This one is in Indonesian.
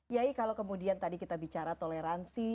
yai kalau kemudian tadi kita bicara toleransi